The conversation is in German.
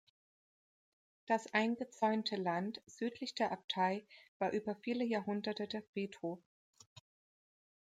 Das eingezäunte Land südlich der Abtei war über viele Jahrhunderte der Friedhof.